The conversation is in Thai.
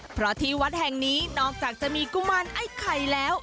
เพราะที่วัดแห่งนี้นอกจากจะมีกุมารไอ้ไข่แล้ว